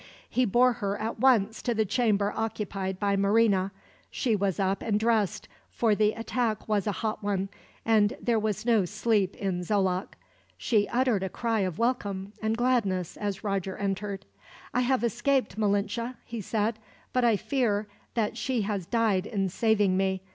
He bore her, at once, to the chamber occupied by Marina. She was up and dressed, for the attack was a hot one, and there was no sleep in Xoloc. She uttered a cry of welcome, and gladness, as Roger entered. "I have escaped, Malinche," he said; "but I fear that she has died in saving me.